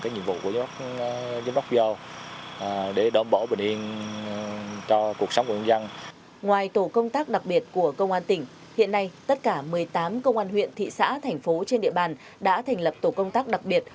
ngoài tổ công tác đặc biệt của công an tỉnh hiện nay tất cả một mươi tám công an huyện thị xã thành phố trên địa bàn đã thành lập tổ công tác đặc biệt